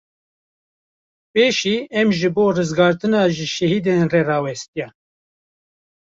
Pêşî em ji bo rêzgirtina ji şehîdan re rawestiyan.